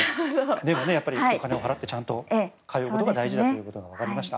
でもお金を払ってちゃんと通うことが大事だということがわかりました。